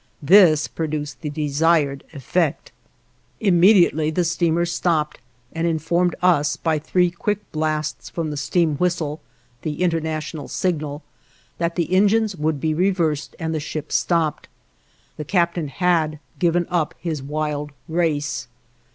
This produced the desired effect. Immediately the steamer stopped and informed us by three quick blasts from the steam whistle (the international signal) that the engines would be reversed and the ship stopped. The captain had given up his wild race.